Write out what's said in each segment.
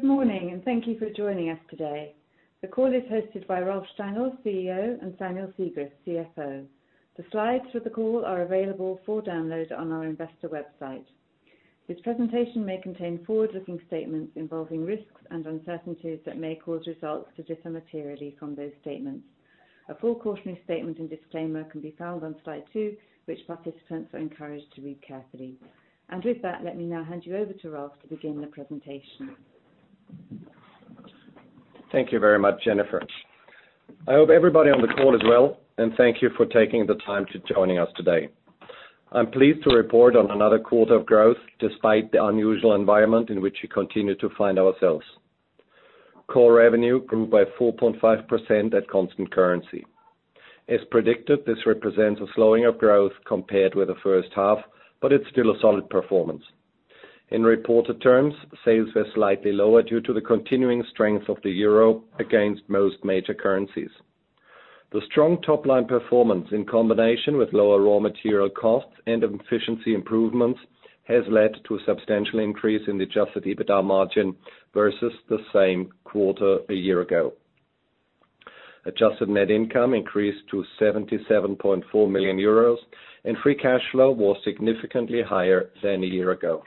Good morning, and thank you for joining us today. The call is hosted by Rolf Stangl, CEO, and Samuel Sigrist, CFO. The slides for the call are available for download on our investor website. This presentation may contain forward-looking statements involving risks and uncertainties that may cause results to differ materially from those statements. A full cautionary statement and disclaimer can be found on slide two, which participants are encouraged to read carefully. And with that, let me now hand you over to Rolf to begin the presentation. Thank you very much, Jennifer. I hope everybody on the call is well, and thank you for taking the time to joining us today. I'm pleased to report on another quarter of growth despite the unusual environment in which we continue to find ourselves. Core revenue grew by 4.5% at constant currency. As predicted, this represents a slowing of growth compared with the first half, but it's still a solid performance. In reported terms, sales were slightly lower due to the continuing strength of the euro against most major currencies. The strong top-line performance, in combination with lower raw material costs and efficiency improvements, has led to a substantial increase in the adjusted EBITDA margin versus the same quarter a year ago. Adjusted net income increased to 77.4 million euros, and free cash flow was significantly higher than a year ago.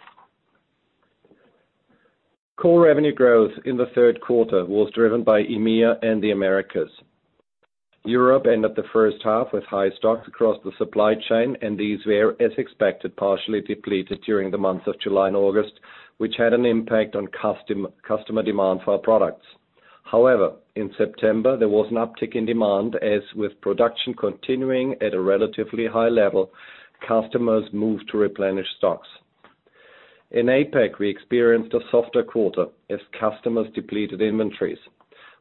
Core revenue growth in the third quarter was driven by EMEA and the Americas. Europe ended the first half with high stocks across the supply chain, and these were, as expected, partially depleted during the months of July and August, which had an impact on customer demand for our products. However, in September, there was an uptick in demand, as with production continuing at a relatively high level, customers moved to replenish stocks. In APAC, we experienced a softer quarter as customers depleted inventories.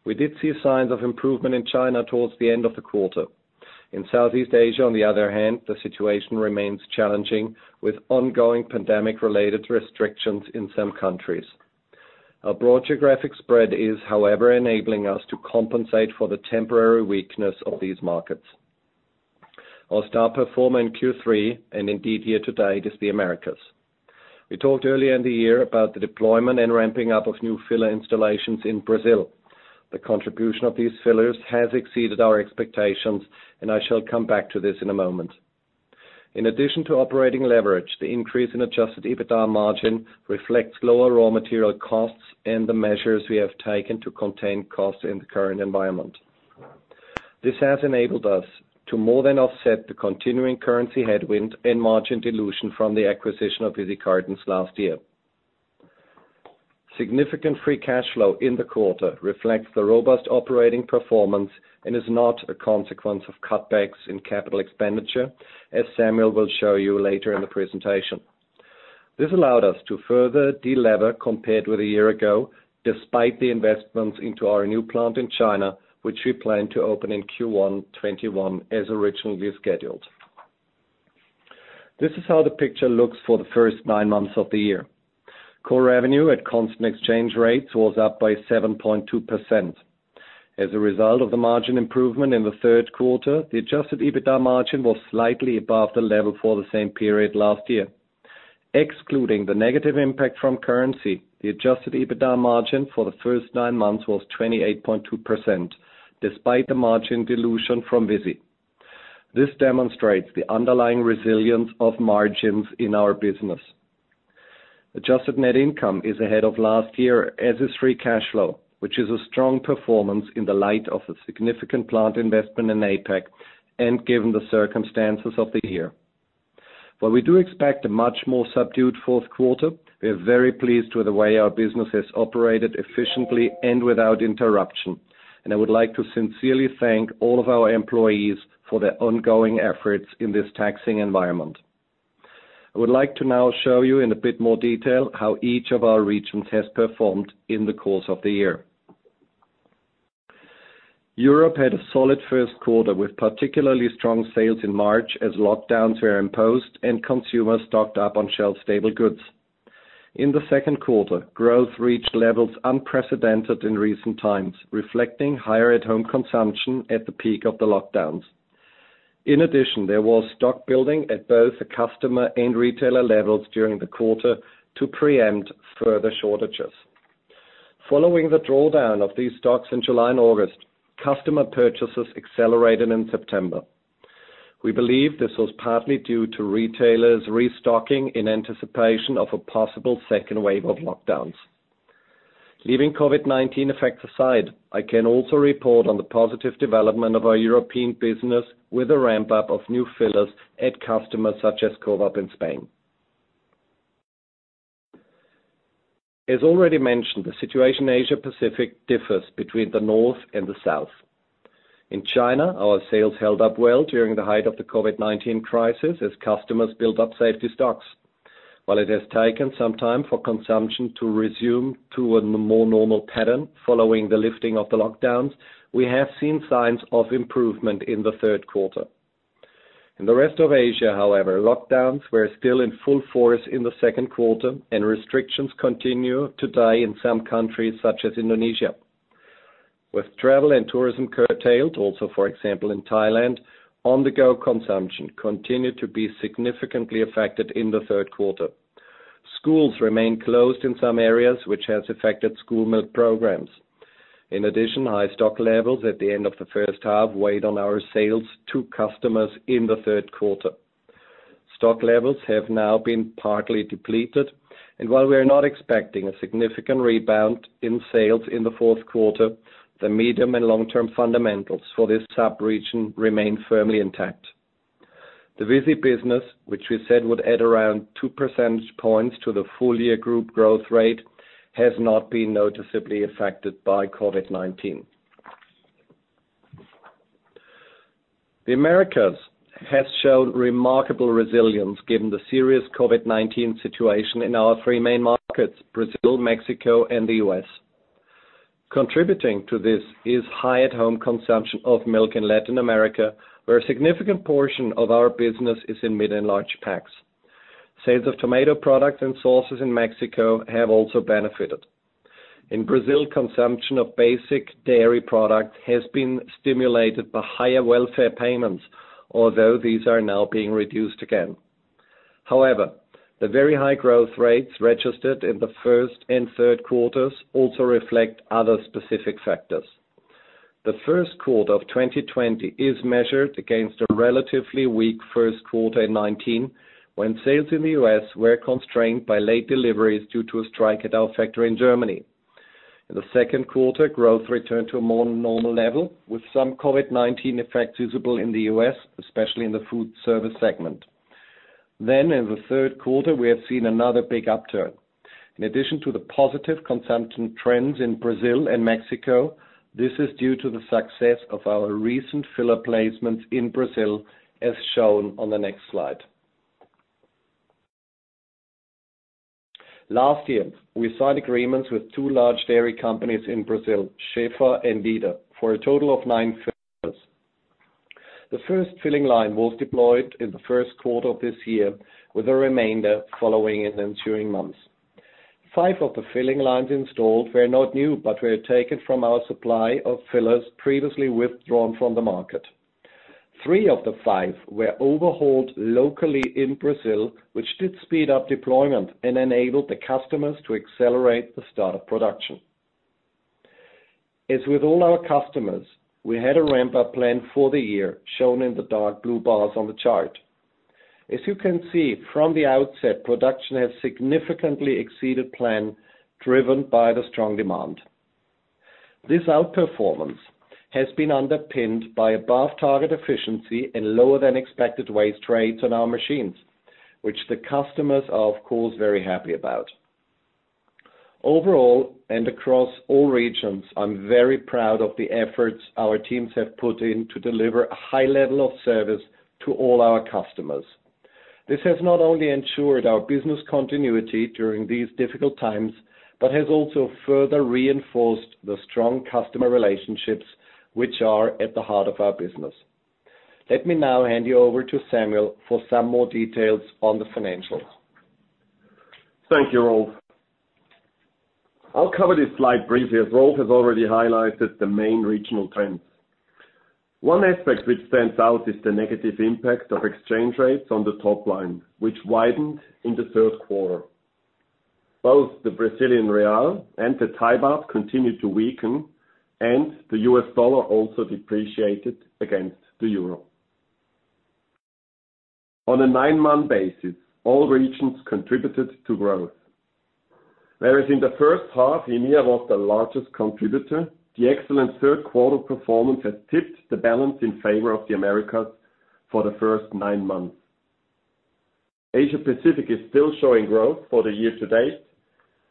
We did see signs of improvement in China towards the end of the quarter. In Southeast Asia, on the other hand, the situation remains challenging, with ongoing pandemic-related restrictions in some countries. Our broad geographic spread is, however, enabling us to compensate for the temporary weakness of these markets. Our star performer in Q3, and indeed year-to-date, is the Americas. We talked earlier in the year about the deployment and ramping up of new filler installations in Brazil. The contribution of these fillers has exceeded our expectations, and I shall come back to this in a moment. In addition to operating leverage, the increase in adjusted EBITDA margin reflects lower raw material costs and the measures we have taken to contain costs in the current environment. This has enabled us to more than offset the continuing currency headwind and margin dilution from the acquisition of Visy Cartons last year. Significant free cash flow in the quarter reflects the robust operating performance and is not a consequence of cutbacks in capital expenditure, as Samuel will show you later in the presentation. This allowed us to further delever compared with a year ago, despite the investments into our new plant in China, which we plan to open in Q1 2021, as originally scheduled. This is how the picture looks for the first nine months of the year. Core revenue at constant exchange rates was up by 7.2%. As a result of the margin improvement in the third quarter, the adjusted EBITDA margin was slightly above the level for the same period last year. Excluding the negative impact from currency, the adjusted EBITDA margin for the first nine months was 28.2%, despite the margin dilution from Visy. This demonstrates the underlying resilience of margins in our business. Adjusted net income is ahead of last year, as is free cash flow, which is a strong performance in the light of the significant plant investment in APAC and given the circumstances of the year. While we do expect a much more subdued fourth quarter, we are very pleased with the way our business has operated efficiently and without interruption, and I would like to sincerely thank all of our employees for their ongoing efforts in this taxing environment. I would like to now show you in a bit more detail how each of our regions has performed in the course of the year. Europe had a solid first quarter with particularly strong sales in March as lockdowns were imposed and consumers stocked up on shelf-stable goods. In the second quarter, growth reached levels unprecedented in recent times, reflecting higher at-home consumption at the peak of the lockdowns. In addition, there was stock-building at both the customer and retailer levels during the quarter to preempt further shortages. Following the drawdown of these stocks in July and August, customer purchases accelerated in September. We believe this was partly due to retailers restocking in anticipation of a possible second wave of lockdowns. Leaving COVID-19 effects aside, I can also report on the positive development of our European business with the ramp-up of new fillers at customers such as COVAP in Spain. As already mentioned, the situation in Asia-Pacific differs between the north and the south. In China, our sales held up well during the height of the COVID-19 crisis as customers built up safety stocks. While it has taken some time for consumption to resume to a more normal pattern following the lifting of the lockdowns, we have seen signs of improvement in the third quarter. In the rest of Asia, however, lockdowns were still in full force in the second quarter, and restrictions continue today in some countries, such as Indonesia. With travel and tourism curtailed, also, for example, in Thailand, on-the-go consumption continued to be significantly affected in the third quarter. Schools remain closed in some areas, which has affected school milk programs. In addition, high stock levels at the end of the first half weighed on our sales to customers in the third quarter. Stock levels have now been partly depleted, and while we are not expecting a significant rebound in sales in the fourth quarter, the medium and long-term fundamentals for this sub-region remain firmly intact. The Visy business, which we said would add around two percentage points to the full year Group growth rate, has not been noticeably affected by COVID-19. The Americas has shown remarkable resilience given the serious COVID-19 situation in our three main markets, Brazil, Mexico, and the U.S. Contributing to this is high at-home consumption of milk in Latin America, where a significant portion of our business is in mid and large packs. Sales of tomato products and sauces in Mexico have also benefited. In Brazil, consumption of basic dairy product has been stimulated by higher welfare payments, although these are now being reduced again. The very high growth rates registered in the first and third quarters also reflect other specific factors. The first quarter of 2020 is measured against a relatively weak first quarter in 2019, when sales in the U.S. were constrained by late deliveries due to a strike at our factory in Germany. In the second quarter, growth returned to a more normal level, with some COVID-19 effects visible in the U.S., especially in the foodservice segment. In the third quarter, we have seen another big upturn. In addition to the positive consumption trends in Brazil and Mexico, this is due to the success of our recent filler placements in Brazil, as shown on the next slide. Last year, we signed agreements with two large dairy companies in Brazil, Shefa, and Líder Alimentos, for a total of nine fillers. The first filling line was deployed in the first quarter of this year, with the remainder following in ensuing months. Five of the filling lines installed were not new, but were taken from our supply of fillers previously withdrawn from the market. Three of the five were overhauled locally in Brazil, which did speed up deployment and enabled the customers to accelerate the start of production. As with all our customers, we had a ramp-up plan for the year, shown in the dark blue bars on the chart. As you can see, from the outset, production has significantly exceeded plan, driven by the strong demand. This outperformance has been underpinned by above-target efficiency and lower than expected waste rates on our machines, which the customers are, of course, very happy about. Overall, and across all regions, I'm very proud of the efforts our teams have put in to deliver a high level of service to all our customers. This has not only ensured our business continuity during these difficult times, but has also further reinforced the strong customer relationships which are at the heart of our business. Let me now hand you over to Samuel for some more details on the financials. Thank you, Rolf. I'll cover this slide briefly, as Rolf has already highlighted the main regional trends. One aspect which stands out is the negative impact of exchange rates on the top line, which widened in the third quarter. Both the Brazilian real and the Thai baht continued to weaken, and the US dollar also depreciated against the euro. On a nine-month basis, all regions contributed to growth. Whereas in the first half, EMEA was the largest contributor, the excellent third quarter performance has tipped the balance in favor of the Americas for the first nine months. Asia-Pacific is still showing growth for the year-to-date,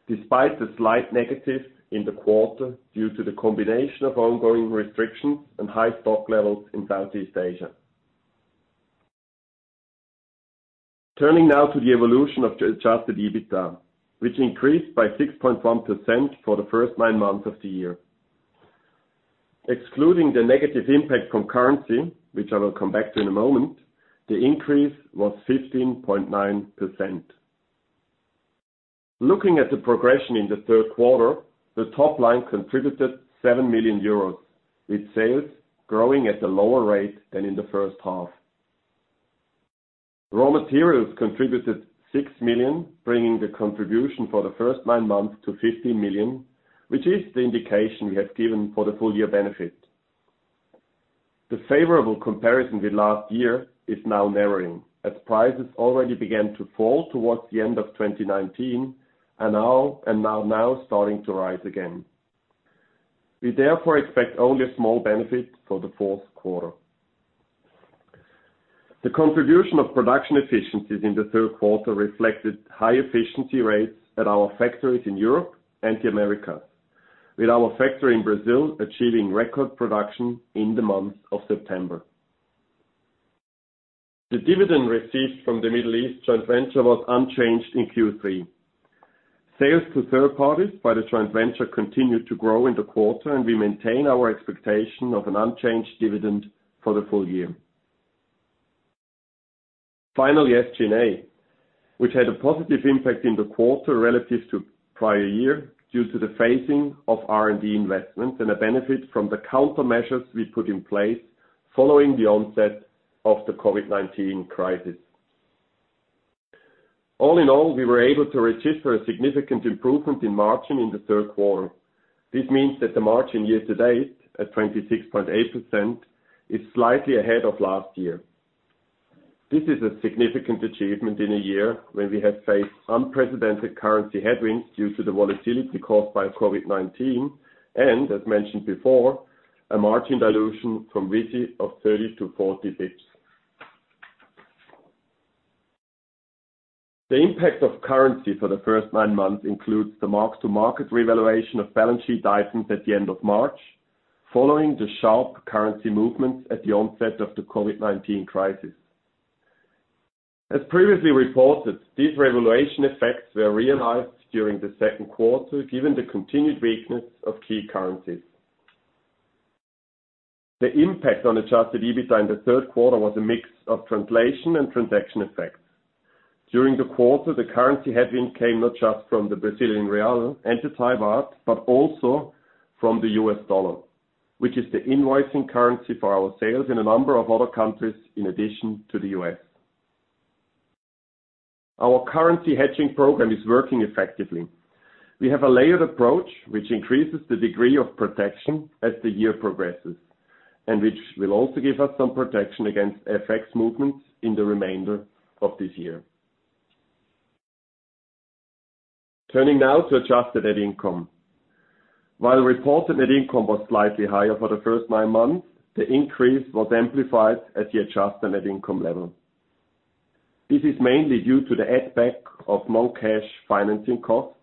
despite the slight negative in the quarter due to the combination of ongoing restrictions and high stock levels in Southeast Asia. Turning now to the evolution of adjusted EBITDA, which increased by 6.1% for the first nine months of the year. Excluding the negative impact from currency, which I will come back to in a moment, the increase was 15.9%. Looking at the progression in the third quarter, the top line contributed 7 million euros, with sales growing at a lower rate than in the first half. Raw materials contributed 6 million, bringing the contribution for the first nine months to 15 million, which is the indication we have given for the full year benefit. The favorable comparison with last year is now narrowing, as prices already began to fall towards the end of 2019 and are now starting to rise again. We therefore expect only a small benefit for the fourth quarter. The contribution of production efficiencies in the third quarter reflected high efficiency rates at our factories in Europe and the Americas, with our factory in Brazil achieving record production in the month of September. The dividend received from the Middle East joint venture was unchanged in Q3. Sales to third parties by the joint venture continued to grow in the quarter, and we maintain our expectation of an unchanged dividend for the full year. Finally, SG&A, which had a positive impact in the quarter relative to prior year due to the phasing of R&D investments and a benefit from the countermeasures we put in place following the onset of the COVID-19 crisis. All in all, we were able to register a significant improvement in margin in the third quarter. This means that the margin year-to-date, at 26.8%, is slightly ahead of last year. This is a significant achievement in a year when we have faced unprecedented currency headwinds due to the volatility caused by COVID-19, and as mentioned before, a margin dilution from Visy of 30-40 basis points. The impact of currency for the first nine months includes the mark-to-market revaluation of balance sheet items at the end of March, following the sharp currency movements at the onset of the COVID-19 crisis. As previously reported, these revaluation effects were realized during the second quarter, given the continued weakness of key currencies. The impact on adjusted EBITDA in the third quarter was a mix of translation and transaction effects. During the quarter, the currency headwind came not just from the Brazilian real and the Thai baht, but also from the U.S. dollar, which is the invoicing currency for our sales in a number of other countries, in addition to the U.S. Our currency hedging program is working effectively. We have a layered approach which increases the degree of protection as the year progresses, and which will also give us some protection against FX movements in the remainder of this year. Turning now to adjusted net income. While reported net income was slightly higher for the first nine months, the increase was amplified at the adjusted net income level. This is mainly due to the add back of more cash financing costs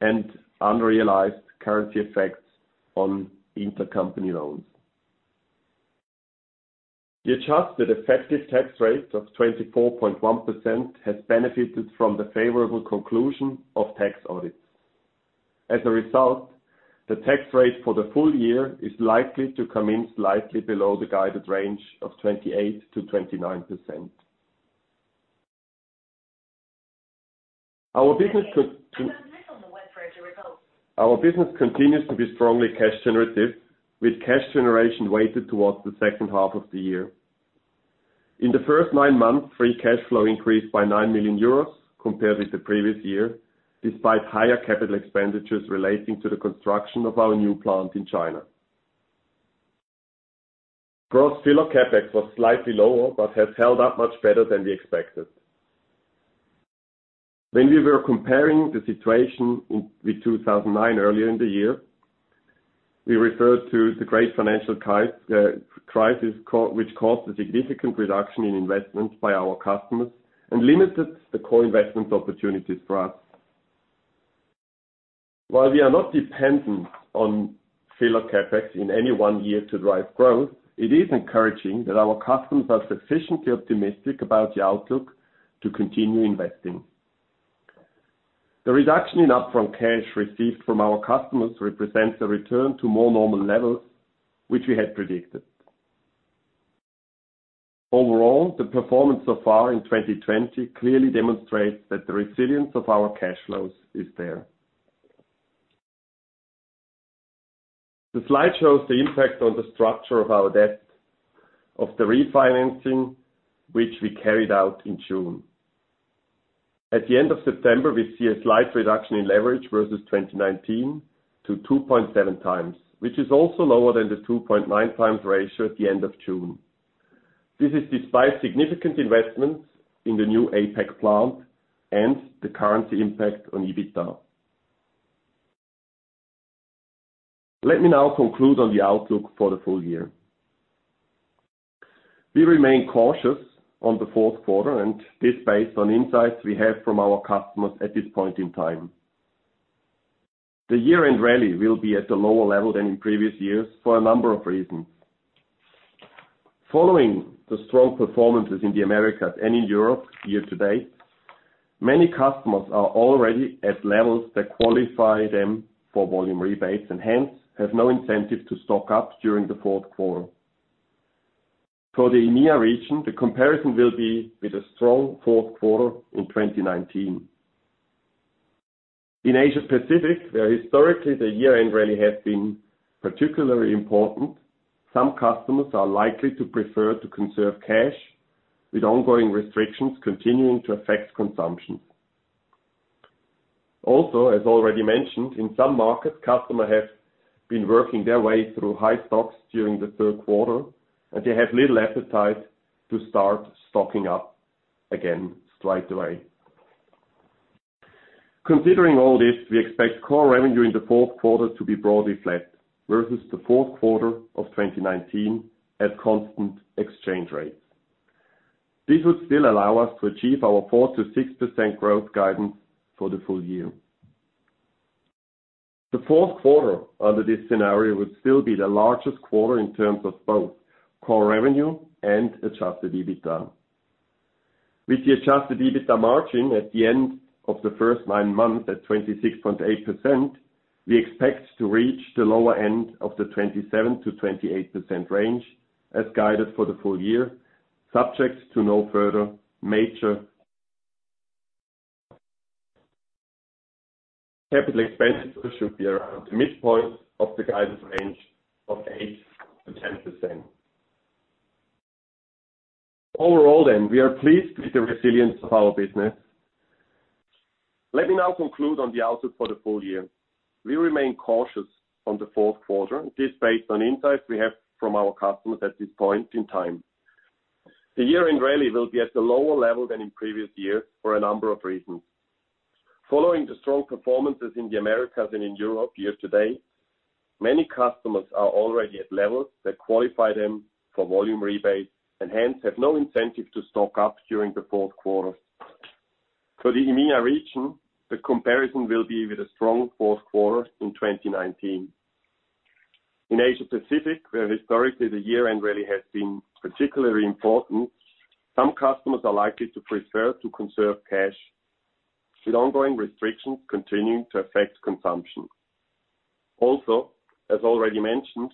and unrealized currency effects on intercompany loans. The adjusted effective tax rate of 24.1% has benefited from the favorable conclusion of tax audits. As a result, the tax rate for the full year is likely to come in slightly below the guided range of 28%-29%. Our business could— Our business continues to be strongly cash generative, with cash generation weighted towards the second half of the year. In the first nine months, free cash flow increased by 9 million euros compared with the previous year, despite higher capital expenditures relating to the construction of our new plant in China. Gross filler CapEx was slightly lower, but has held up much better than we expected. When we were comparing the situation with 2009 earlier in the year, we referred to the Great Financial Crisis which caused a significant reduction in investments by our customers and limited the core investment opportunities for us. While we are not dependent on filler CapEx in any one year to drive growth, it is encouraging that our customers are sufficiently optimistic about the outlook to continue investing. The reduction in upfront cash received from our customers represents a return to more normal levels, which we had predicted. Overall, the performance so far in 2020 clearly demonstrates that the resilience of our cash flows is there. The slide shows the impact on the structure of our debt of the refinancing, which we carried out in June. At the end of September, we see a slight reduction in leverage versus 2019 to 2.7x, which is also lower than the 2.9x ratio at the end of June. This is despite significant investments in the new APAC plant and the current impact on EBITDA. Let me now conclude on the outlook for the full year. We remain cautious on the fourth quarter, and this based on insights we have from our customers at this point in time. The year-end rally will be at a lower level than in previous years for a number of reasons. Following the strong performances in the Americas and in Europe year-to-date, many customers are already at levels that qualify them for volume rebates, and hence, have no incentive to stock up during the fourth quarter. For the EMEA region, the comparison will be with a strong fourth quarter in 2019. In Asia-Pacific, where historically the year-end rally has been particularly important, some customers are likely to prefer to conserve cash, with ongoing restrictions continuing to affect consumption. Also, as already mentioned, in some markets, customers have been working their way through high stocks during the third quarter, and they have little appetite to start stocking up again straightaway. Considering all this, we expect core revenue in the fourth quarter to be broadly flat versus the fourth quarter of 2019 at constant exchange rates. This would still allow us to achieve our 4%-6% growth guidance for the full year. The fourth quarter under this scenario would still be the largest quarter in terms of both core revenue and adjusted EBITDA. With the adjusted EBITDA margin at the end of the first nine months at 26.8%. We expect to reach the lower end of the 27%-28% range as guided for the full year, subject to no further major. Capital expenditure should be around the midpoint of the guidance range of 8%-10%. Overall, we are pleased with the resilience of our business. Let me now conclude on the outlook for the full year. We remain cautious on the fourth quarter. This is based on insights we have from our customers at this point in time. The year-end rally will be at a lower level than in previous years for a number of reasons. Following the strong performances in the Americas and in Europe year-to-date, many customers are already at levels that qualify them for volume rebates, and hence have no incentive to stock up during the fourth quarter. For the EMEA region, the comparison will be with a strong fourth quarter in 2019. In Asia Pacific, where historically the year-end rally has been particularly important, some customers are likely to prefer to conserve cash, with ongoing restrictions continuing to affect consumption. Also, as already mentioned,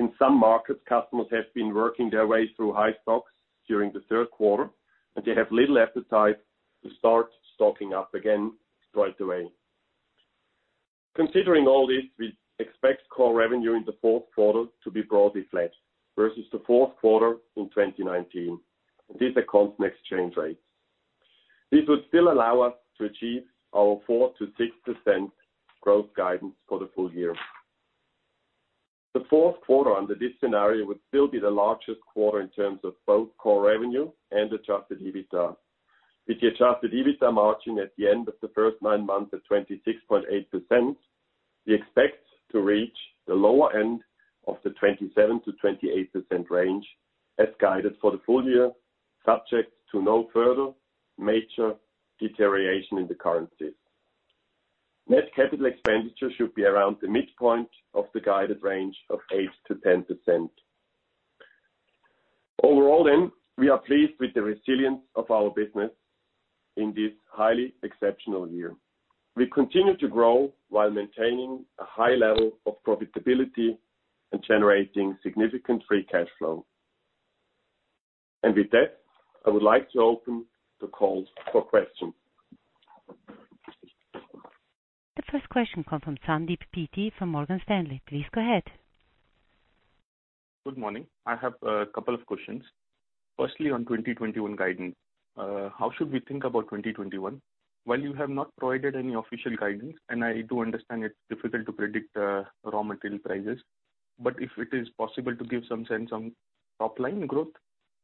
in some markets, customers have been working their way through high stocks during the third quarter, and they have little appetite to start stocking up again right away. Considering all this, we expect core revenue in the fourth quarter to be broadly flat versus the fourth quarter in 2019. These are constant exchange rates. This would still allow us to achieve our 4%-6% growth guidance for the full year. The fourth quarter under this scenario would still be the largest quarter in terms of both core revenue and adjusted EBITDA. With the adjusted EBITDA margin at the end of the first nine months at 26.8%, we expect to reach the lower end of the 27%-28% range as guided for the full year, subject to no further major deterioration in the currencies. Net capital expenditure should be around the midpoint of the guided range of 8%-10%. Overall then, we are pleased with the resilience of our business in this highly exceptional year. We continue to grow while maintaining a high level of profitability and generating significant free cash flow. With that, I would like to open the call for questions. The first question comes from Sandeep Peety from Morgan Stanley. Please go ahead. Good morning. I have a couple of questions. On 2021 guidance, how should we think about 2021? While you have not provided any official guidance, and I do understand it's difficult to predict raw material prices, but if it is possible to give some sense on top-line growth,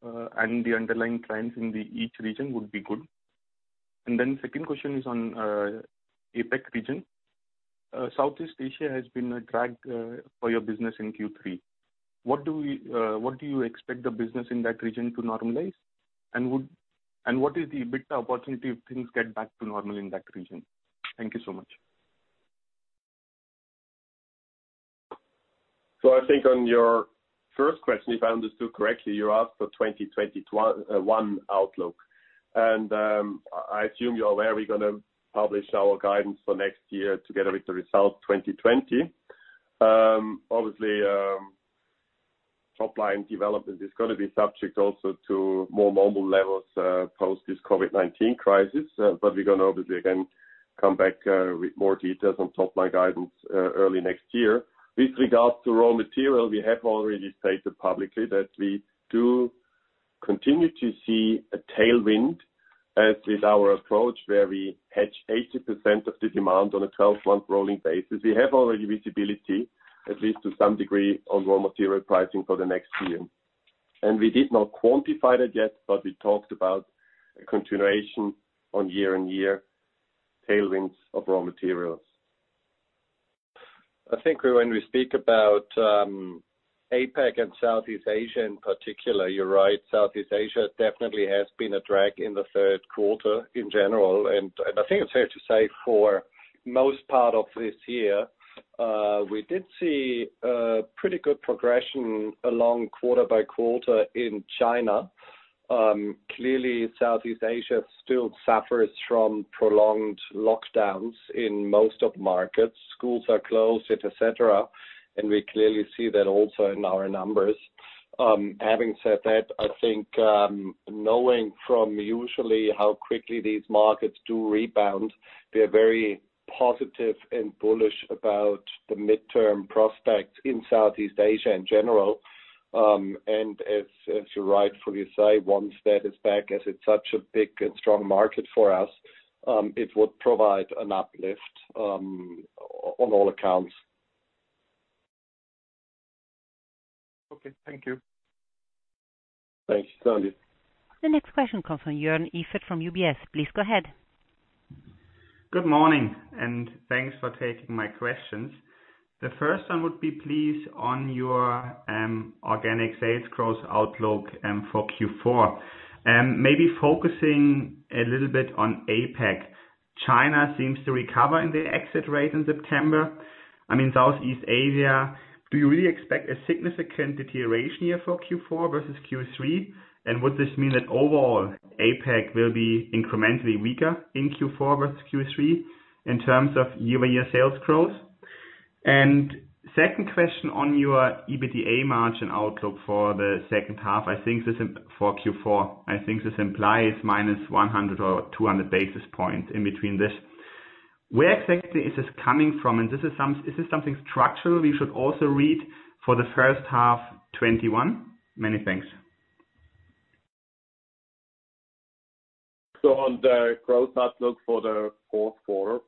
and the underlying trends in each region would be good. Second question is on APAC region. Southeast Asia has been a drag for your business in Q3. When do you expect the business in that region to normalize? What is the EBITDA opportunity if things get back to normal in that region? Thank you so much. I think on your first question, if I understood correctly, you asked for 2021 outlook. I assume you're aware we're going to publish our guidance for next year together with the results 2020. Obviously, top-line development is going to be subject also to more normal levels post this COVID-19 crisis. We're going to obviously again come back with more details on top-line guidance early next year. With regards to raw material, we have already stated publicly that we do continue to see a tailwind, as with our approach where we hedge 80% of the demand on a 12-month rolling basis. We have already visibility, at least to some degree, on raw material pricing for the next year. We did not quantify that yet, but we talked about a continuation on year-on-year tailwinds of raw materials. I think when we speak about APAC and Southeast Asia in particular, you're right, Southeast Asia definitely has been a drag in the third quarter in general. I think it's fair to say for most part of this year, we did see pretty good progression along quarter by quarter in China. Clearly, Southeast Asia still suffers from prolonged lockdowns in most of the markets. Schools are closed, et cetera, and we clearly see that also in our numbers. Having said that, I think knowing from usually how quickly these markets do rebound, we are very positive and bullish about the midterm prospects in Southeast Asia in general. As you rightfully say, once that is back, as it's such a big and strong market for us, it would provide an uplift on all accounts. Okay. Thank you. Thanks, Sandeep. The next question comes from Joern Iffert from UBS. Please go ahead. Good morning, and thanks for taking my questions. The first one would be please on your organic sales growth outlook for Q4. Maybe focusing a little bit on APAC. China seems to recover in the exit rate in September. I mean, Southeast Asia, do you really expect a significant deterioration here for Q4 versus Q3? Would this mean that overall, APAC will be incrementally weaker in Q4 versus Q3 in terms of year-over-year sales growth? Second question on your EBITDA margin outlook for the second half, I think this is for Q4. I think this implies -100 or 200 basis points in between this. Where exactly is this coming from? Is this something structural we should also read for the first half 2021? Many thanks. On the growth outlook for the fourth quarter,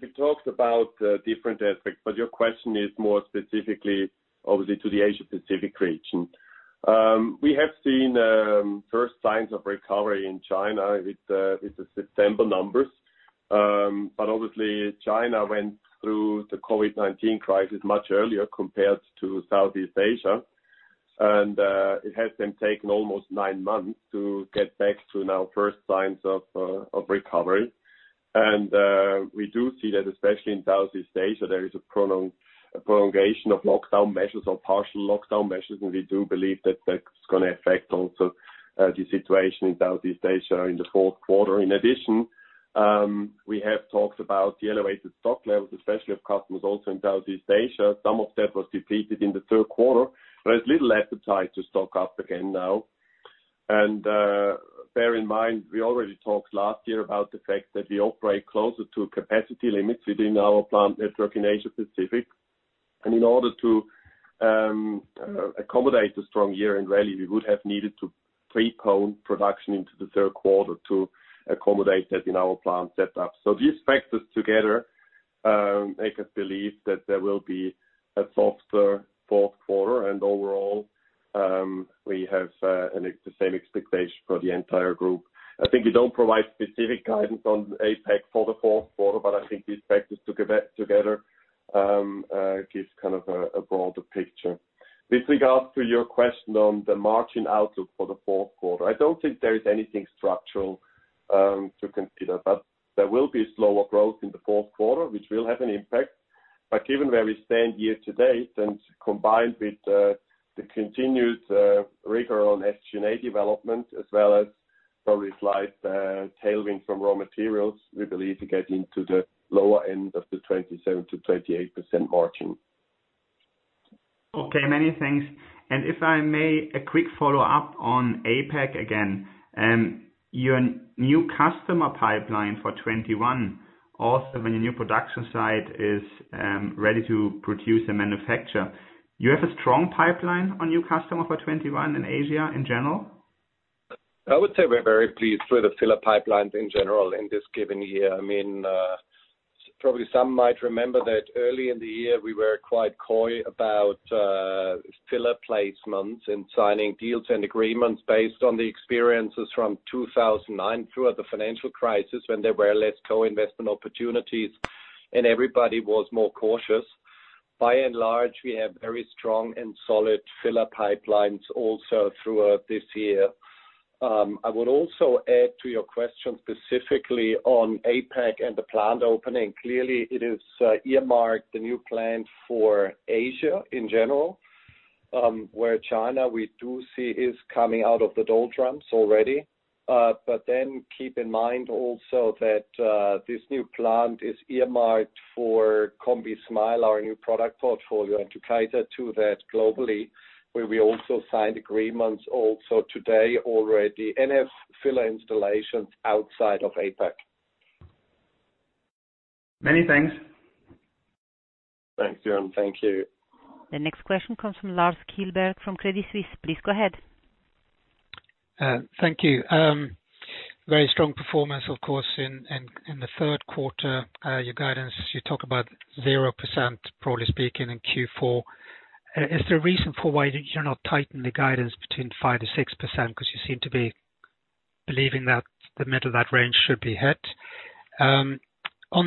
we talked about different aspects, but your question is more specifically obviously to the Asia Pacific region. We have seen first signs of recovery in China with the September numbers. Obviously China went through the COVID-19 crisis much earlier compared to Southeast Asia. It has then taken almost nine months to get back to now first signs of recovery. We do see that especially in Southeast Asia, there is a prolongation of lockdown measures or partial lockdown measures, and we do believe that that's going to affect also the situation in Southeast Asia in the fourth quarter. In addition, we have talked about the elevated stock levels, especially of customers also in Southeast Asia. Some of that was depleted in the third quarter, but there's little appetite to stock up again now. Bear in mind, we already talked last year about the fact that we operate closer to capacity limits within our plant network in Asia Pacific. In order to accommodate a strong year-end rally, we would have needed to pre-pone production into the third quarter to accommodate that in our plant set up. These factors together make us believe that there will be a softer fourth quarter and overall, we have the same expectation for the entire Group. I think we don't provide specific guidance on APAC for the fourth quarter, but I think these factors together gives kind of a broader picture. With regards to your question on the margin outlook for the fourth quarter, I don't think there is anything structural to consider, but there will be slower growth in the fourth quarter, which will have an impact. Given where we stand year-to-date and combined with the continued rigor on SG&A development as well as probably slight tailwind from raw materials, we believe we get into the lower end of the 27%-28% margin. Okay, many thanks. If I may, a quick follow-up on APAC again. Your new customer pipeline for 2021, also when your new production site is ready to produce and manufacture. You have a strong pipeline on your customer for 2021 in Asia in general? I would say we're very pleased with the filler pipelines in general in this given year. Probably some might remember that early in the year, we were quite coy about filler placements and signing deals and agreements based on the experiences from 2009 throughout the Financial Crisis when there were less co-investment opportunities and everybody was more cautious. By and large, we have very strong and solid filler pipelines also throughout this year. I would also add to your question specifically on APAC and the plant opening. Clearly it is earmarked the new plant for Asia in general, where China we do see is coming out of the doldrums already. Keep in mind also that this new plant is earmarked for combismile, our new product portfolio, and to cater to that globally, where we also signed agreements also today already, and have filler installations outside of APAC. Many thanks. Thanks, Joern. Thank you. The next question comes from Lars Kjellberg from Credit Suisse. Please go ahead. Thank you. Very strong performance, of course, in the third quarter. Your guidance, you talk about 0%, broadly speaking, in Q4. Is there a reason for why you're not tightening the guidance between 5%-6% because you seem to be believing that the middle of that range should be hit? On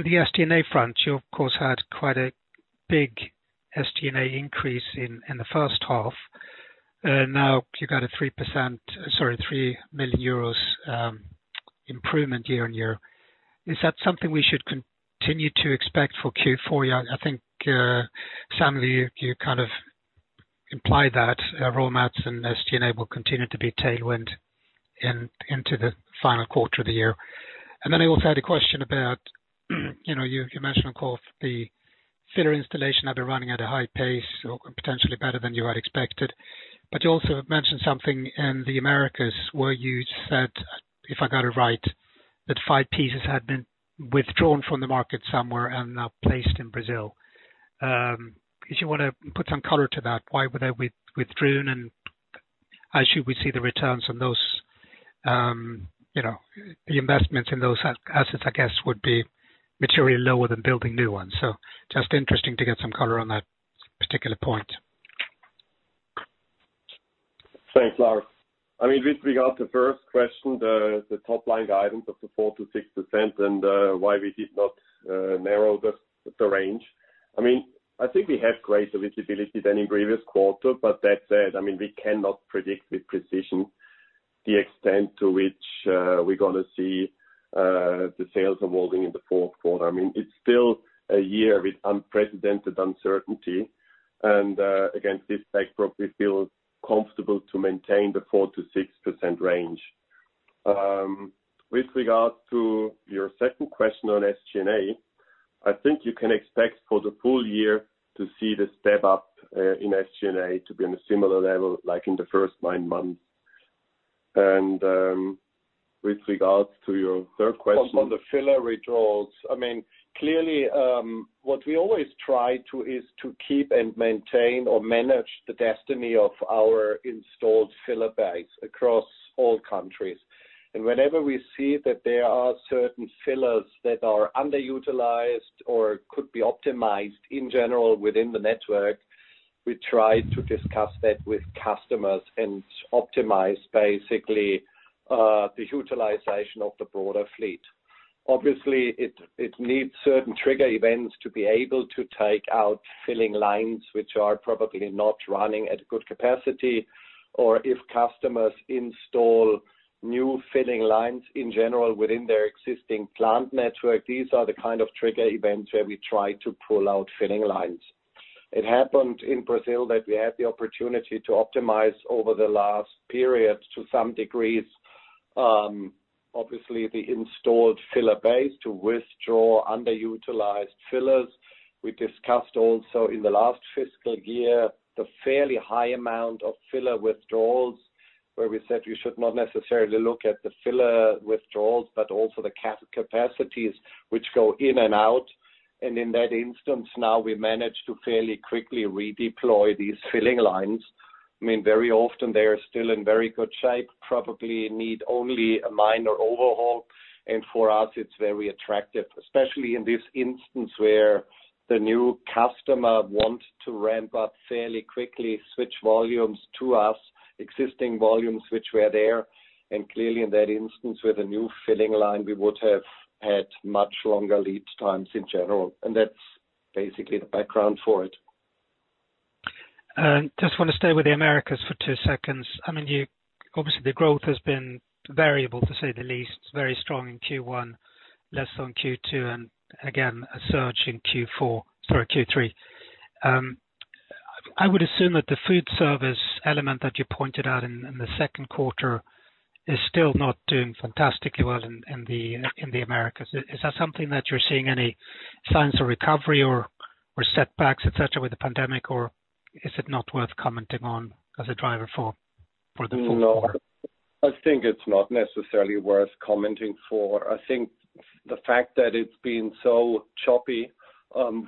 the SG&A front, you of course, had quite a big SG&A increase in the first half. Now you've got a 3% Sorry, 3 million euros improvement year-on-year. Is that something we should continue to expect for Q4? I think, Samuel, you kind of implied that raw mats and SG&A will continue to be tailwind into the final quarter of the year. I also had a question about, you mentioned, of course, the filler installation have been running at a high pace or potentially better than you had expected. You also mentioned something in the Americas where you said, if I got it right, that five pieces had been withdrawn from the market somewhere and now placed in Brazil. If you want to put some color to that, why were they withdrawn and as you would see the returns from those, the investments in those assets I guess would be materially lower than building new ones. Just interesting to get some color on that particular point. Thanks, Lars. With regard to the first question, the top-line guidance of the 4%-6% and why we did not narrow the range. I think we have greater visibility than in previous quarter. That said, we cannot predict with precision. The extent to which we're going to see the sales evolving in the fourth quarter. It's still a year with unprecedented uncertainty. Again, this probably feels comfortable to maintain the 4%-6% range. With regard to your second question on SG&A, I think you can expect for the full year to see the step up in SG&A to be on a similar level, like in the first nine months. With regards to your third question— On the filler withdrawals, clearly, what we always try to is to keep and maintain or manage the destiny of our installed filler base across all countries. Whenever we see that there are certain fillers that are underutilized or could be optimized in general within the network, we try to discuss that with customers and optimize basically, the utilization of the broader fleet. Obviously, it needs certain trigger events to be able to take out filling lines which are probably not running at good capacity, or if customers install new filling lines in general within their existing plant network. These are the kind of trigger events where we try to pull out filling lines. It happened in Brazil that we had the opportunity to optimize over the last period to some degrees, obviously the installed filler base to withdraw underutilized fillers. We discussed also in the last fiscal year, the fairly high amount of filler withdrawals, where we said we should not necessarily look at the filler withdrawals, but also the capacities which go in and out. In that instance now, we managed to fairly quickly redeploy these filling lines. Very often they are still in very good shape, probably need only a minor overhaul. For us, it's very attractive, especially in this instance where the new customer wants to ramp up fairly quickly, switch volumes to us, existing volumes which were there, and clearly in that instance, with a new filling line, we would have had much longer lead times in general. That's basically the background for it. Just want to stay with the Americas for two seconds. Obviously, the growth has been variable, to say the least, very strong in Q1, less on Q2, and again, a surge in Q3. I would assume that the foodservice element that you pointed out in the second quarter is still not doing fantastically well in the Americas. Is that something that you're seeing any signs of recovery or setbacks, et cetera, with the pandemic? Or is it not worth commenting on as a driver for the full year? No. I think it's not necessarily worth commenting for. I think the fact that it's been so choppy,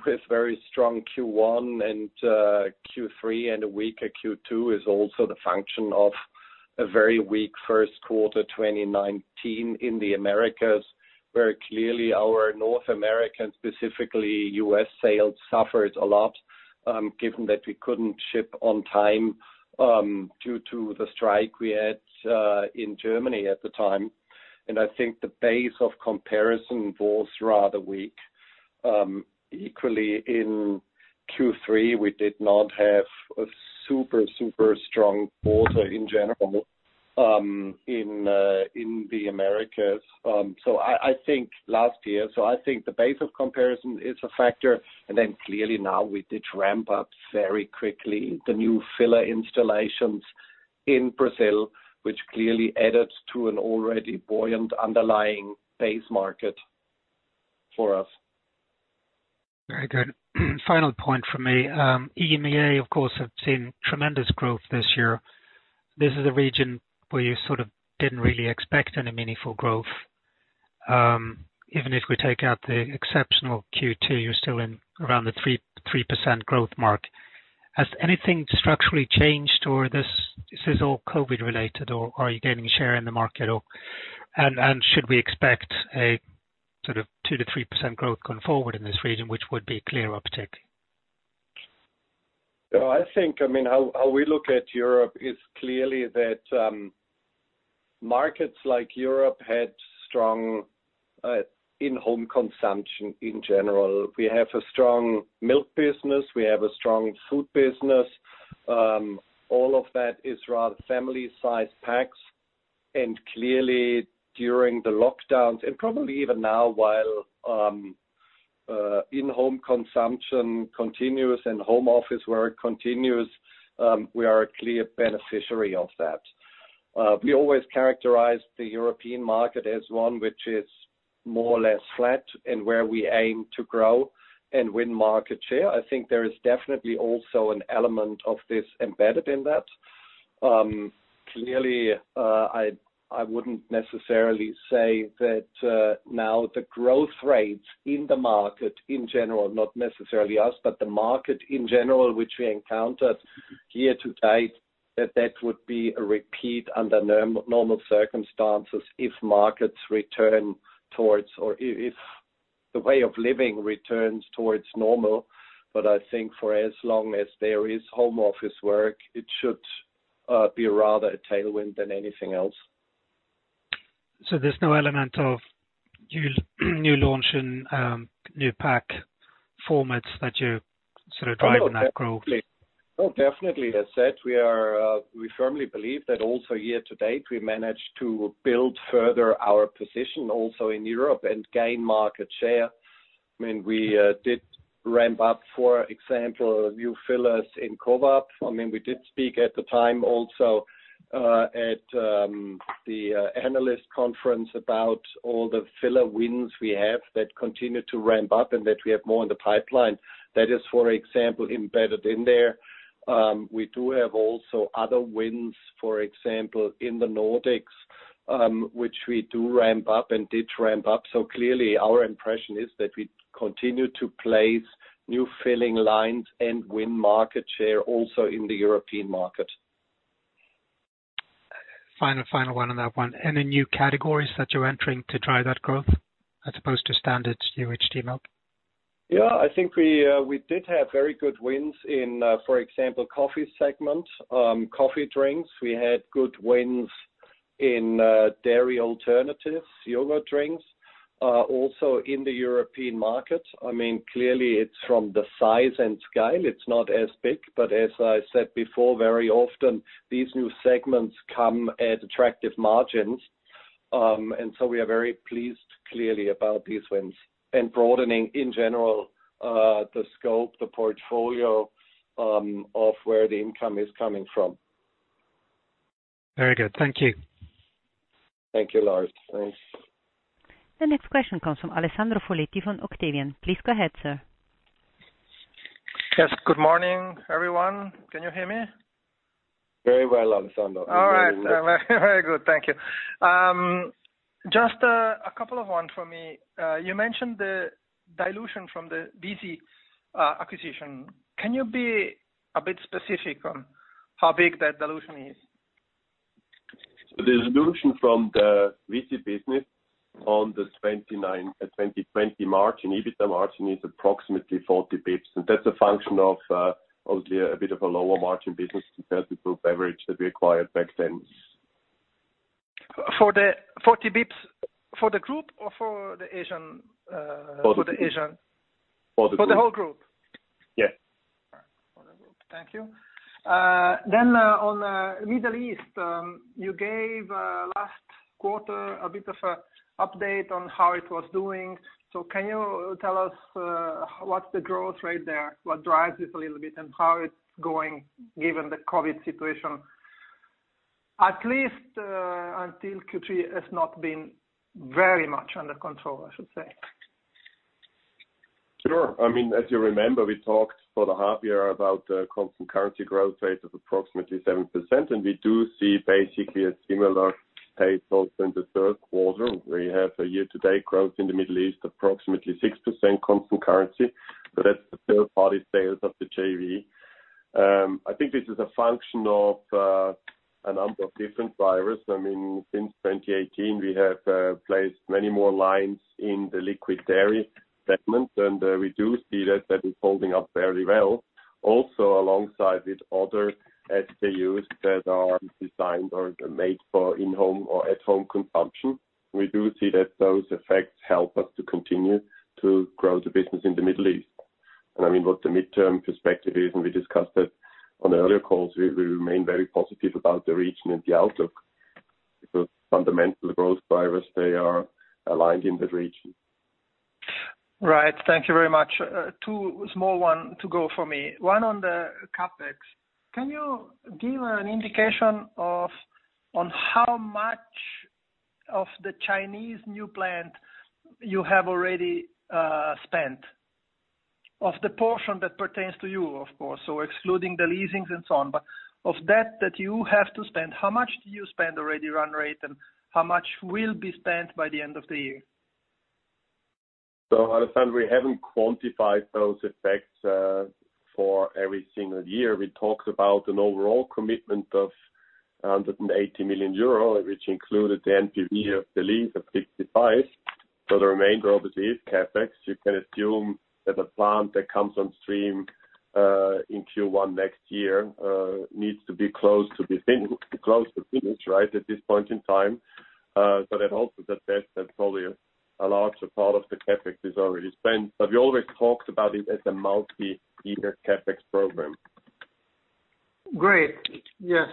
with very strong Q1 and Q3 and a weaker Q2 is also the function of a very weak first quarter 2019 in the Americas, where clearly our North American, specifically U.S. sales suffered a lot, given that we couldn't ship on time, due to the strike we had in Germany at the time. I think the base of comparison was rather weak. Equally in Q3, we did not have a super, super strong quarter in general in the Americas. I think the base of comparison is a factor. Clearly now we did ramp up very quickly the new filler installations in Brazil, which clearly added to an already buoyant underlying base market for us. Very good. Final point for me. EMEA, of course, have seen tremendous growth this year. This is a region where you sort of didn't really expect any meaningful growth. Even if we take out the exceptional Q2, you're still in around the 3% growth mark. Has anything structurally changed, or this is all COVID related, or are you gaining share in the market? Should we expect a sort of 2% to 3% growth going forward in this region, which would be a clear uptick? I think how we look at Europe is clearly that markets like Europe had strong in-home consumption in general. We have a strong milk business. We have a strong food business. All of that is rather family-sized packs and clearly during the lockdowns and probably even now while in-home consumption continues and home office work continues, we are a clear beneficiary of that. We always characterize the European market as one which is more or less flat and where we aim to grow and win market share. I think there is definitely also an element of this embedded in that. Clearly, I wouldn't necessarily say that now the growth rates in the market in general, not necessarily us, but the market in general, which we encountered year-to-date, that would be a repeat under normal circumstances if markets return towards or if the way of living returns towards normal. I think for as long as there is home office work, it should be rather a tailwind than anything else. There's no element of new launch and new pack formats that you're driving that growth? Oh, definitely. As said, we firmly believe that also year-to-date, we managed to build further our position also in Europe and gain market share. We did ramp up, for example, new fillers in COVAP. We did speak at the time also at the Analyst Conference about all the filler wins we have that continue to ramp up and that we have more in the pipeline. That is, for example, embedded in there. We do have also other wins, for example, in the Nordics, which we do ramp up and did ramp up. Clearly our impression is that we continue to place new filling lines and win market share also in the European market. Final one on that one. Any new categories that you're entering to drive that growth as opposed to standard UHT milk? Yeah, I think we did have very good wins in, for example, coffee segment, coffee drinks. We had good wins in dairy alternatives, yogurt drinks, also in the European market. Clearly it's from the size and scale. It's not as big, but as I said before, very often these new segments come at attractive margins. We are very pleased, clearly, about these wins and broadening, in general, the scope, the portfolio of where the income is coming from. Very good. Thank you. Thank you, Lars. Thanks. The next question comes from Alessandro Foletti from Octavian. Please go ahead, sir. Yes. Good morning, everyone. Can you hear me? Very well, Alessandro. You're very clear. All right. Very good. Thank you. Just a couple of one for me. You mentioned the dilution from the Visy acquisition. Can you be a bit specific on how big that dilution is? The dilution from the Visy business on the 2020 margin, EBITDA margin, is approximately 40 basis points. That's a function of obviously a bit of a lower margin business compared to food beverage that we acquired back then. 40 basis points for the Group or for the Asian? For the Group. For the Asian— For the Group. For the whole Group? Yes. All right. For the Group. Thank you. On Middle East, you gave last quarter a bit of a update on how it was doing. Can you tell us what's the growth rate there? What drives it a little bit? And how it's going given the COVID situation? At least, until Q3 has not been very much under control, I should say. Sure. As you remember, we talked for the half year about the constant currency growth rate of approximately 7%, and we do see basically a similar pace also in the third quarter, where you have a year-to-date growth in the Middle East, approximately 6% constant currency. That's the third-party sales of the JV. I think this is a function of a number of different drivers. Since 2018, we have placed many more lines in the liquid dairy segment, and we do see that that is holding up very well. Also alongside with other SKUs that are designed or made for in-home or at-home consumption. We do see that those effects help us to continue to grow the business in the Middle East. What the midterm perspective is, and we discussed that on earlier calls, we remain very positive about the region and the outlook, because fundamental growth drivers, they are aligned in that region. Right. Thank you very much. Two small one to go for me. One on the CapEx. Can you give an indication of on how much of the Chinese new plant you have already spent? Of the portion that pertains to you, of course, so excluding the leasings and so on, but of that you have to spend, how much do you spend already run rate? And how much will be spent by the end of the year? Alessandro, we haven't quantified those effects, for every single year. We talked about an overall commitment of 180 million euro, which included the NPV of the lease of 65. The remainder obviously is CapEx. You can assume that the plant that comes on stream, in Q1 next year, needs to be close to finished at this point in time. That also says that probably a larger part of the CapEx is already spent, but we always talked about it as a multi-year CapEx program. Great. Yes.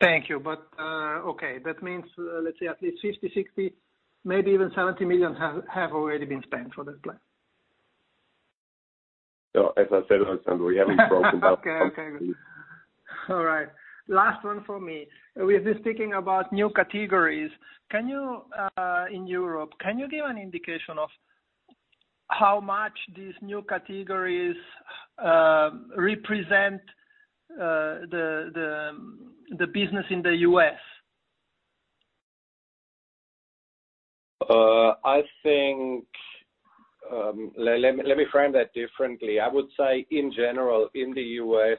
Thank you. Okay, that means, let's say at least 50 million, 60 million, maybe even 70 million have already been spent for that plan. As I said, Alessandro, we haven't talked about. Okay. Good. All right. Last one for me. We've been speaking about new categories. In Europe, can you give an indication of how much these new categories represent the business in the U.S.? Let me frame that differently. I would say in general, in the U.S.,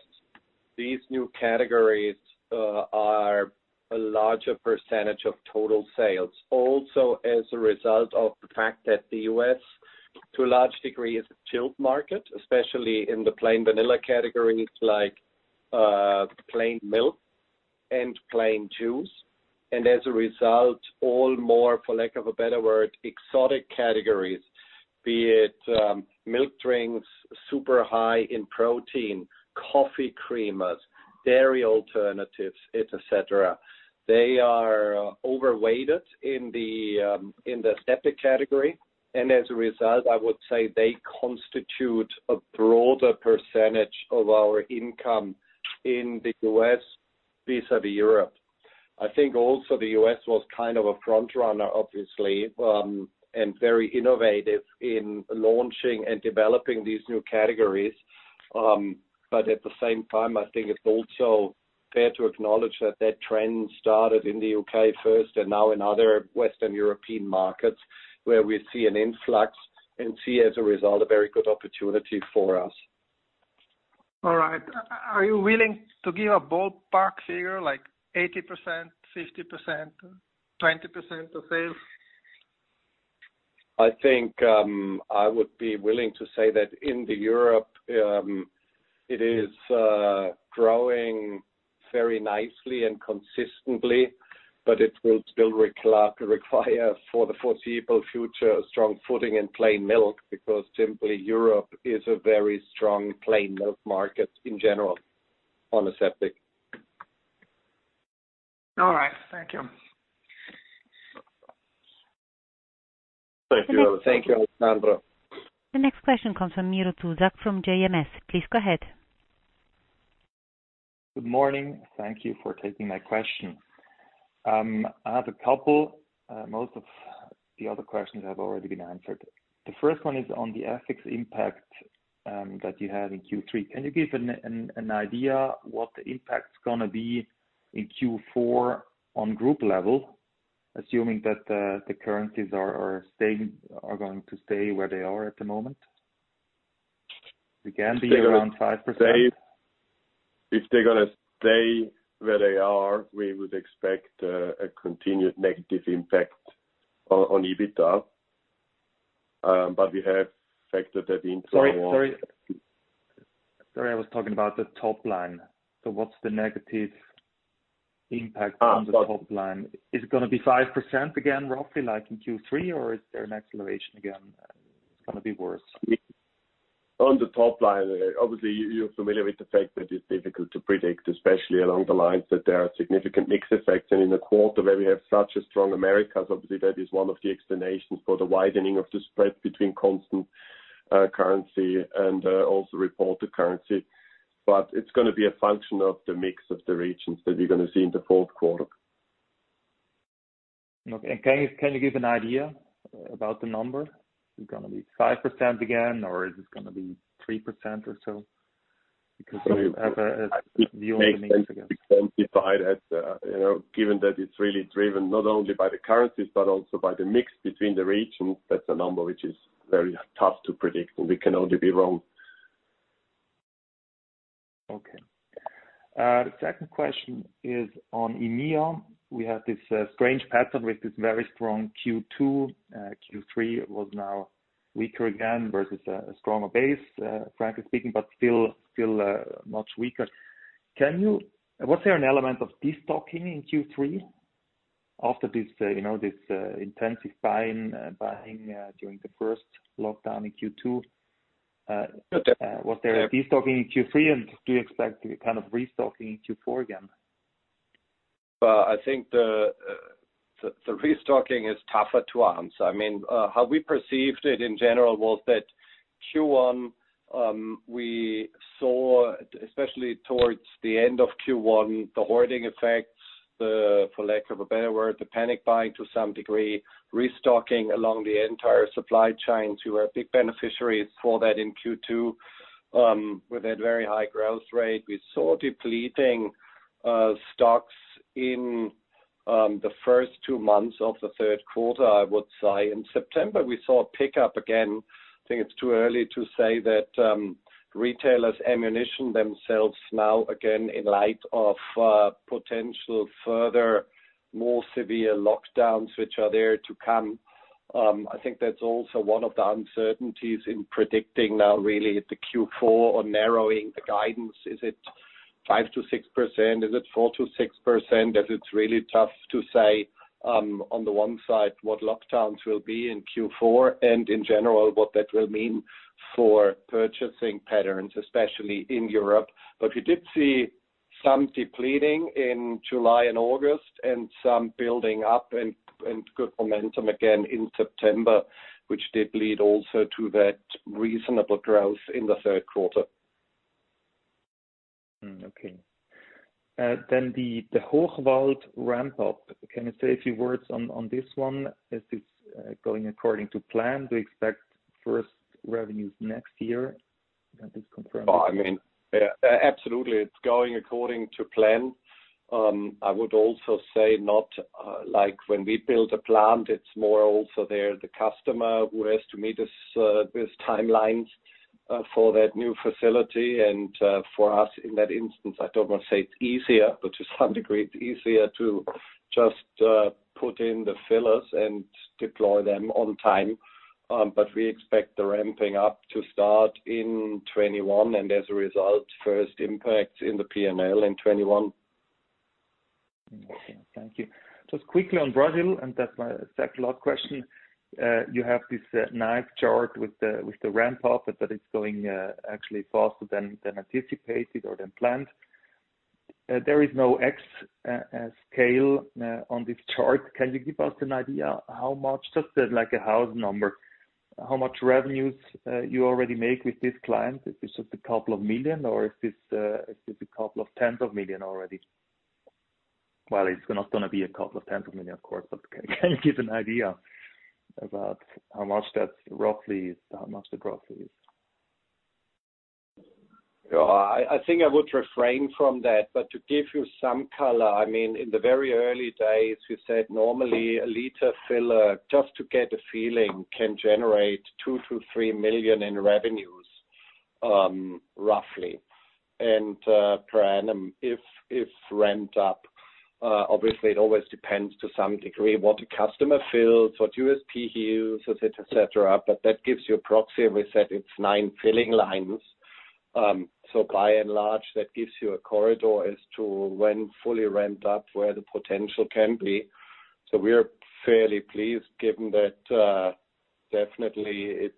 these new categories are a larger percentage of total sales. Also, as a result of the fact that the U.S. To a large degree, it's a chilled market, especially in the plain vanilla categories like plain milk and plain juice. As a result, all more, for lack of a better word, exotic categories, be it milk drinks super high in protein, coffee creamers, dairy alternatives, et cetera, they are overweighted in the aseptic category. As a result, I would say they constitute a broader percentage of our income in the U.S. vis-à-vis Europe. I think also the U.S. was a front runner, obviously, and very innovative in launching and developing these new categories. At the same time, I think it's also fair to acknowledge that that trend started in the U.K. first and now in other Western European markets where we see an influx and see, as a result, a very good opportunity for us. All right. Are you willing to give a ballpark figure, like 80%, 50%, 20% of sales? I think I would be willing to say that in the Europe, it is growing very nicely and consistently, but it will still require for the foreseeable future, a strong footing in plain milk, because simply Europe is a very strong plain milk market in general on aseptic. All right. Thank you. Thank you Alessandro. Thank you, Alessandro. The next question comes from Miro Zuzak from JMS. Please go ahead. Good morning. Thank you for taking my question. I have a couple. Most of the other questions have already been answered. The first one is on the FX impact that you had in Q3. Can you give an idea what the impact is going to be in Q4 on Group level, assuming that the currencies are going to stay where they are at the moment? It can be around 5%. If they're going to stay where they are, we would expect a continued negative impact on EBITDA, but we have factored that into— Sorry, sorry. I was talking about the top line. What's the negative impact on the top line? Is it going to be 5% again, roughly like in Q3, or is there an acceleration again, it's going to be worse? On the top line, obviously, you're familiar with the fact that it's difficult to predict, especially along the lines that there are significant mix effects. In a quarter where we have such a strong Americas, obviously that is one of the explanations for the widening of the spread between constant currency and also reported currency. It's going to be a function of the mix of the regions that we're going to see in the fourth quarter. Okay. Can you give an idea about the number? Is it going to be 5% again? Or is this going to be 3% or so? You have a view on the mix again. Given that it's really driven not only by the currencies, but also by the mix between the regions, that's a number which is very tough to predict, and we can only be wrong. Okay. The second question is on EMEA. We have this strange pattern with this very strong Q2. Q3 was now weaker again versus a stronger base, frankly speaking, but still much weaker. Was there an element of de-stocking in Q3 after this intensive buying during the first lockdown in Q2? Was there a de-stocking in Q3, and do you expect to be restocking in Q4 again? I think the restocking is tougher to answer. How we perceived it in general was that Q1, we saw, especially towards the end of Q1, the hoarding effects, for lack of a better word, the panic buying to some degree, restocking along the entire supply chain to our big beneficiaries for that in Q2, with that very high growth rate. We saw depleting stocks in the first two months of the third quarter, I would say. In September, we saw a pickup again. I think it's too early to say that retailers ammunition themselves now again in light of potential further, more severe lockdowns which are there to come. I think that's also one of the uncertainties in predicting now really the Q4 or narrowing the guidance. Is it 5%-6%? Is it 4%-6%? That it's really tough to say, on the one side, what lockdowns will be in Q4 and in general what that will mean for purchasing patterns, especially in Europe. We did see some depleting in July and August and some building up and good momentum again in September, which did lead also to that reasonable growth in the third quarter. Okay. The Hochwald ramp up. Can you say a few words on this one? Is this going according to plan? Do you expect first revenues next year? Can you just confirm this? Absolutely. It's going according to plan. I would also say not like when we build a plant, it's more also there, the customer who has to meet his timelines for that new facility and for us in that instance. I don't want to say it's easier, but to some degree, it's easier to just put in the fillers and deploy them on time. We expect the ramping up to start in 2021, and as a result, first impact in the P&L in 2021. Okay, thank you. Just quickly on Brazil, that's my second last question. You have this nice chart with the ramp up, but it's going actually faster than anticipated or than planned. There is no X scale on this chart. Can you give us an idea how much, just like a house number, how much revenues you already make with this client? Is this just a couple of million or is this a couple of tens of million already? Well, it's not going to be a couple of tens of million, of course, but can you give an idea about how much the growth is? I think I would refrain from that. To give you some color, in the very early days, we said normally a liter filler, just to get a feeling, can generate 2 million-3 million in revenues, roughly. Per annum, if ramped up, obviously it always depends to some degree what the customer fills, what USP he uses, et cetera, but that gives you a proxy. We said it's nine filling lines. By and large, that gives you a corridor as to when fully ramped up, where the potential can be. We're fairly pleased given that, definitely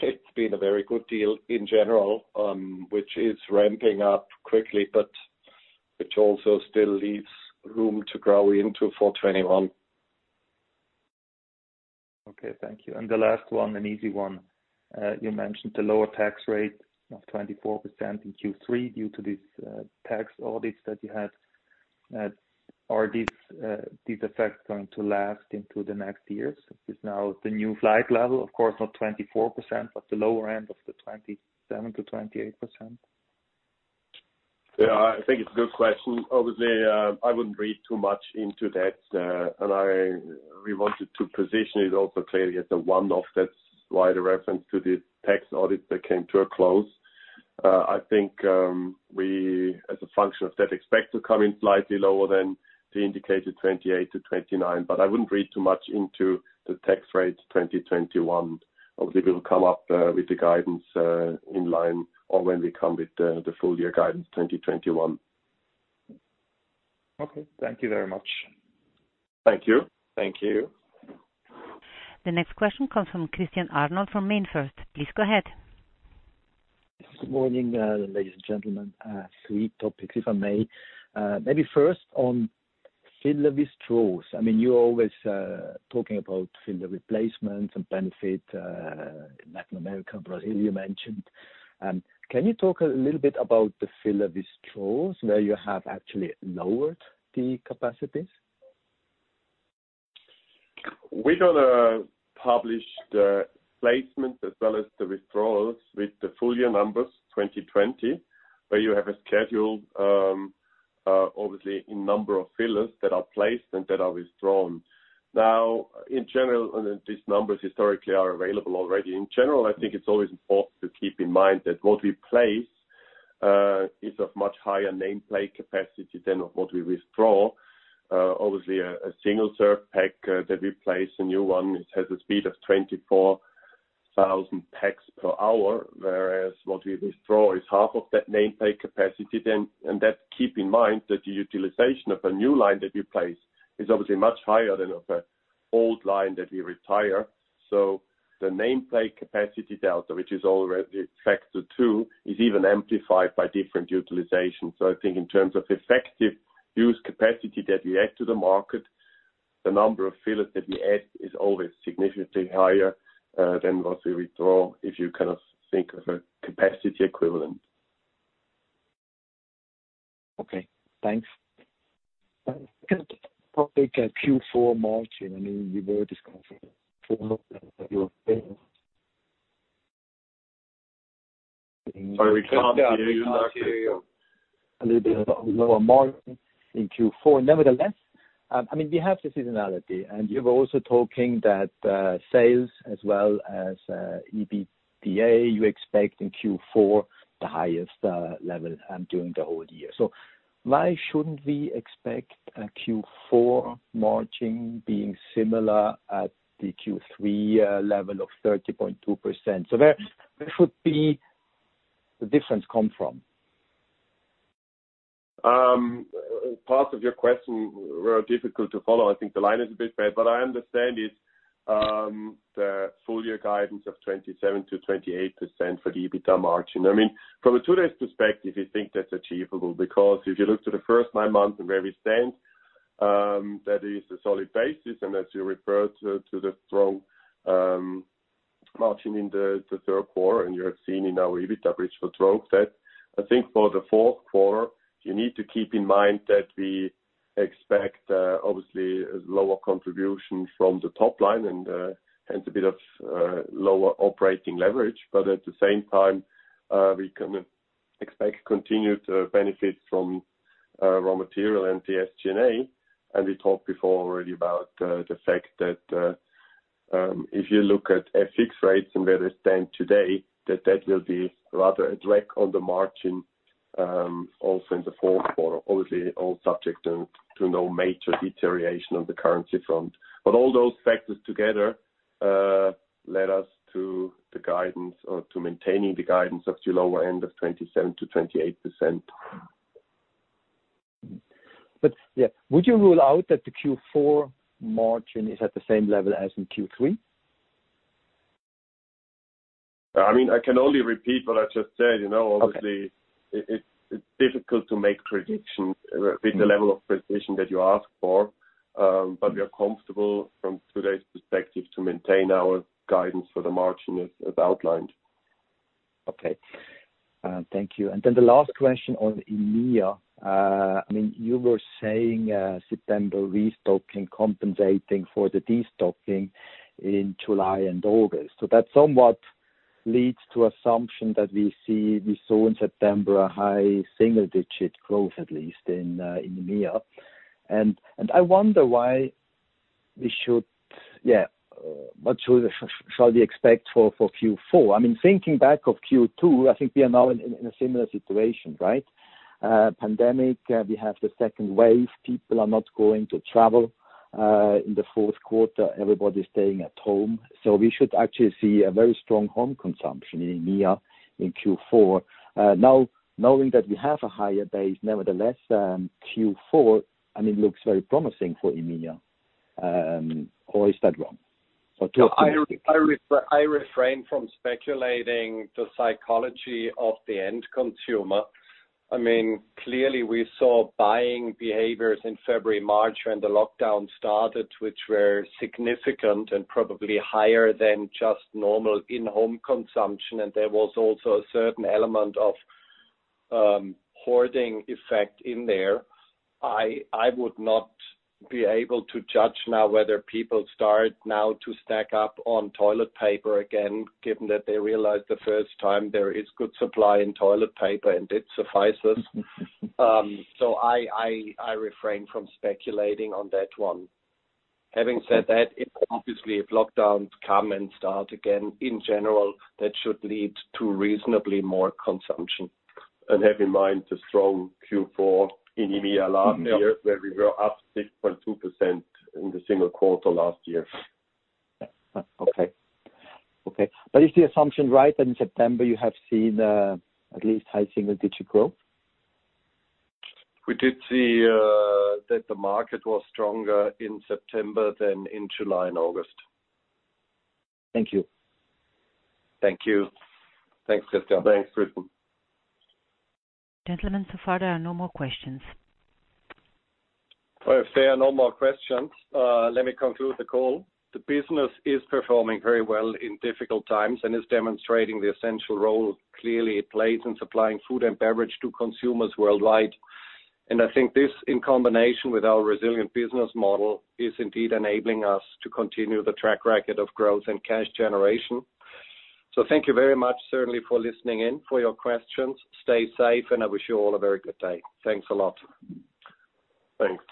it's been a very good deal in general, which is ramping up quickly, but which also still leaves room to grow into for 2021. Okay, thank you. The last one, an easy one. You mentioned the lower tax rate of 24% in Q3 due to these tax audits that you had. Are these effects going to last into the next years? Is this now the new flag level? Of course, not 24%, but the lower end of the 27%-28%? Yeah, I think it's a good question. Obviously, I wouldn't read too much into that. We wanted to position it also clearly as a one-off. That's why the reference to the tax audit that came to a close. I think, we, as a function of that, expect to come in slightly lower than the indicated 28%-29%. I wouldn't read too much into the tax rate 2021. Obviously, we'll come up with the guidance in line or when we come with the full-year guidance 2021. Okay. Thank you very much. Thank you. Thank you. The next question comes from Christian Arnold from MainFirst. Please go ahead. Good morning, ladies and gentlemen. Three topics, if I may. Maybe first on filler withdrawals. You are always talking about filler replacements and benefit, Latin America, Brazil, you mentioned. Can you talk a little bit about the filler withdrawals, where you have actually lowered the capacities? We're going to publish the placements as well as the withdrawals with the full year numbers 2020, where you have a schedule, obviously a number of fillers that are placed and that are withdrawn. These numbers historically are available already. In general, I think it's always important to keep in mind that what we place is of much higher nameplate capacity than of what we withdraw. Obviously a single serve pack that we place, a new one, it has a speed of 24,000 packs per hour, whereas what we withdraw is half of that nameplate capacity then. Let's keep in mind that the utilization of a new line that we place is obviously much higher than of an old line that we retire. The nameplate capacity delta, which is already a factor two, is even amplified by different utilization. I think in terms of effective use capacity that we add to the market, the number of fillers that we add is always significantly higher than what we withdraw, if you think of a capacity equivalent. Okay, thanks. Just probably Q4 margin, you were discomforting. We can't hear you. We can't hear you. A little bit lower margin in Q4. We have the seasonality, and you're also talking that sales as well as EBITDA, you expect in Q4, the highest level during the whole year. Why shouldn't we expect a Q4 margin being similar at the Q3 level of 30.2%? Where should the difference come from? Part of your question were difficult to follow. I think the line is a bit bad, but I understand it. The full year guidance of 27%-28% for the EBITDA margin. From a today's perspective, you think that's achievable because if you look to the first nine months and where we stand, that is a solid basis. As you referred to the strong margin in the third quarter, and you have seen in our EBITDA bridge who drove that. I think for the fourth quarter, you need to keep in mind that we expect, obviously, a lower contribution from the top line and a bit of lower operating leverage. At the same time, we can expect continued benefit from raw material and the SG&A. We talked before already about the fact that, if you look at FX rates and where they stand today, that that will be rather a drag on the margin. Also in the fourth quarter, obviously all subject to no major deterioration of the currency front. All those factors together led us to maintaining the guidance of the lower end of 27%-28%. Would you rule out that the Q4 margin is at the same level as in Q3? I can only repeat what I just said. Okay. Obviously, it's difficult to make predictions with the level of precision that you ask for. We are comfortable from today's perspective to maintain our guidance for the margin as outlined. Okay. Thank you. The last question on EMEA. You were saying September restocking compensating for the destocking in July and August. That somewhat leads to assumption that we saw in September a high single-digit growth, at least in EMEA. I wonder what shall we expect for Q4? Thinking back of Q2, I think we are now in a similar situation, right? Pandemic, we have the second wave. People are not going to travel in the fourth quarter. Everybody is staying at home. We should actually see a very strong home consumption in EMEA in Q4. Knowing that we have a higher base, nevertheless, Q4, I mean, it looks very promising for EMEA. Is that wrong? I refrain from speculating the psychology of the end consumer. Clearly, we saw buying behaviors in February, March, when the lockdown started, which were significant and probably higher than just normal in-home consumption, and there was also a certain element of hoarding effect in there. I would not be able to judge now whether people start now to stack up on toilet paper again, given that they realized the first time there is good supply in toilet paper and it suffices. I refrain from speculating on that one. Having said that, obviously, if lockdowns come and start again, in general, that should lead to reasonably more consumption. Have in mind the strong Q4 in EMEA last year, where we were up 6.2% in the single quarter last year. Okay. Is the assumption right that in September you have seen at least high single-digit growth? We did see that the market was stronger in September than in July and August. Thank you. Thank you. Thanks, Christian. Thanks, Christian. Gentlemen, so far there are no more questions. Well, if there are no more questions, let me conclude the call. The business is performing very well in difficult times and is demonstrating the essential role clearly it plays in supplying food and beverage to consumers worldwide. I think this, in combination with our resilient business model, is indeed enabling us to continue the track record of growth and cash generation. Thank you very much, certainly for listening in, for your questions. Stay safe, and I wish you all a very good day. Thanks a lot. Thanks.